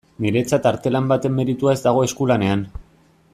Niretzat artelan baten meritua ez dago eskulanean.